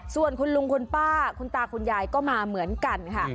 ส่วนคุณลุงคุณป้าคุณตาคุณยายก็มาเหมือนกันค่ะ